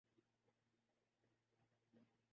Alberto Del Rio W W E چھوڑنے کے لیے تیار